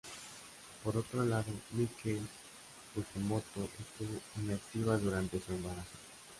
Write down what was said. Por otro lado Miki Fujimoto estuvo inactiva durante su embarazo.